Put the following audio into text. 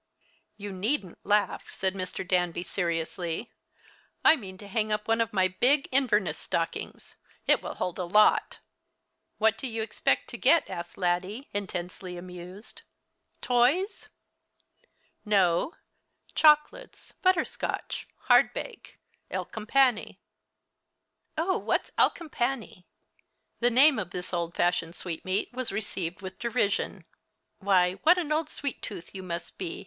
"You needn't laugh," said Mr. Danby, seriously. "I mean to hang up one of my big Inverness stockings. It will hold a lot." "What do you expect to get?" asked Laddie, intensely amused. "Toys?" "No: chocolates, butter scotch, hardbake, alecompane." "Oh, what's alecompane?" The name of this old fashioned sweetmeat was received with derision. "Why, what an old sweet tooth you must be!"